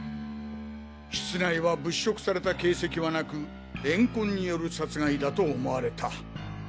室内は物色された形跡はなく怨恨による殺害だと思われた。